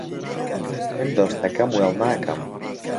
من دۆستەکەم وێڵ ناکەم